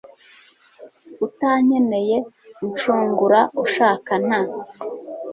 utankeneye, unshungura ushaka nta